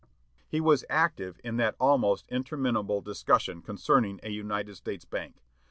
He was active in that almost interminable discussion concerning a United States Bank.